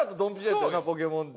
『ポケモン』って。